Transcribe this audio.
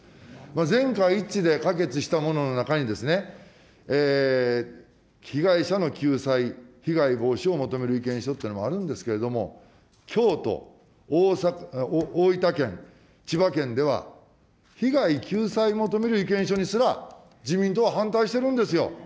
全会一致で可決したものの中に、被害者の救済、被害防止を求める意見書というのもあるんですけれども、京都、大分県、千葉県では、被害救済を求める意見書にすら、自民党は反対してるんですよ。